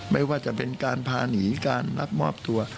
ไม่ว่าจะเป็นการพาหนีการรับมอบตัว